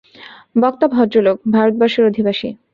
বক্তা ভদ্রলোক, ভারতবর্ষের অধিবাসী।